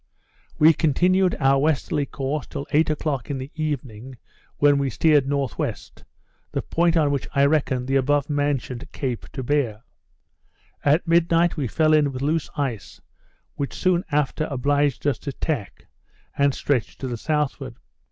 We continued our westerly course till eight o'clock in the evening, when we steered N.W., the point on which I reckoned the above mentioned cape to bear. At midnight we fell in with loose ice, which soon after obliged us to tack, and stretch to the southward.